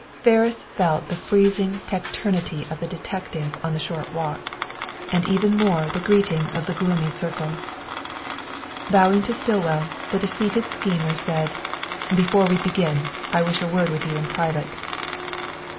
Ferris felt the freezing taciturnity of the detective on the short walk, and even more the greeting of the gloomy circle. Bowing to Stillwell, the defeated schemer said, "Before we begin, I wish a word with you in private."